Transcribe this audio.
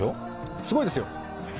すごいですよ。